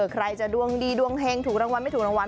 ใครจะดวงดีดวงเฮงถูกรางวัลไม่ถูกรางวัล